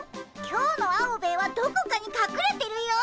今日のアオベエはどこかにかくれてるよ。